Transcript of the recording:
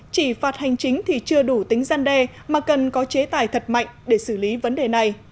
chỉ phạt hành chính thì chưa đủ tính gian đe mà cần có chế tài thật mạnh để xử lý vấn đề này